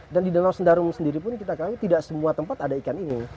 dan di danau sentarung sendiri pun kita tahu tidak semua tempat ada ikan ini